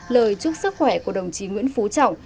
lời chúc sức khỏe của đồng chí nguyễn phú trọng